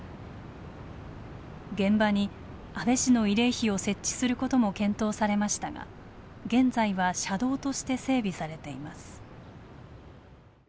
現場に安倍氏の慰霊碑を設置することも検討されましたが現在は車道として整備されています。